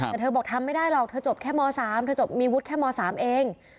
แต่เธอบอกทำไม่ได้หรอกเธอจบแค่ม๓เธอจบมีวุฒิแค่ม๓เอง